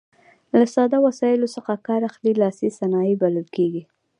له ساده وسایلو څخه کار اخلي لاسي صنایع بلل کیږي.